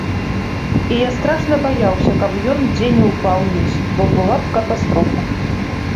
І я страшна баяўся, каб ён дзе не ўпаў уніз, бо была б катастрофа.